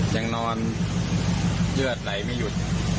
ยังนอนเลือดไหลไม่หยุด